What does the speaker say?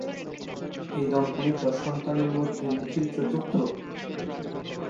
এই দম্পতির দশ সন্তানের মধ্যে নিখিল চতুর্থ।